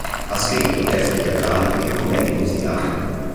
Ha scritto testi teatrali e commedie musicali.